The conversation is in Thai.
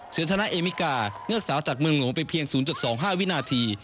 ชนะเอมิกาเงือกสาวจากเมืองหลวงไปเพียง๐๒๕วินาที